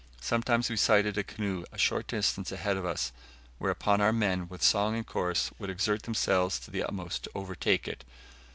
Sometimes we sighted a canoe a short distance ahead of us; whereupon our men, with song and chorus, would exert themselves to the utmost to overtake it.